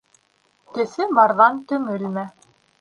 Төҫө барҙан төңөлмә.